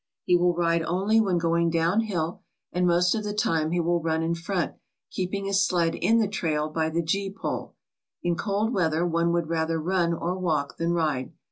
He will ride only when going down hill, and most of the time he will run in front, keeping his sled in the trail by the gee pole. In cold weather one would rather run or walk than ride.